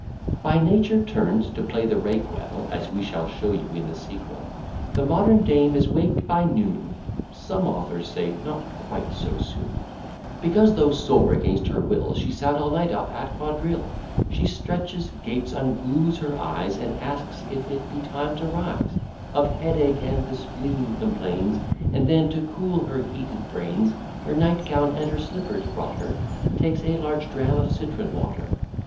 By nature turn'd to play the rake well, (As we shall show you in the sequel,) The modern dame is waked by noon, (Some authors say not quite so soon,) Because, though sore against her will, She sat all night up at quadrille. She stretches, gapes, unglues her eyes, And asks if it be time to rise; Of headache and the spleen complains; And then, to cool her heated brains, Her night gown and her slippers brought her, Takes a large dram of citron water.